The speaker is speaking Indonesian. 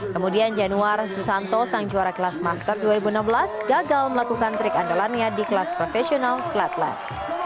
kemudian januar susanto sang juara kelas master dua ribu enam belas gagal melakukan trik andalannya di kelas profesional flatland